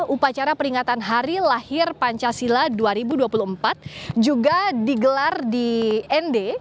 upacara peringatan hari lahir pancasila dua ribu dua puluh empat juga digelar di nd